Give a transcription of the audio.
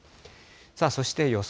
そして予想